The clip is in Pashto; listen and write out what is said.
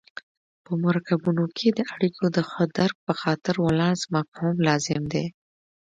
په مرکبونو کې د اړیکو د ښه درک په خاطر ولانس مفهوم لازم دی.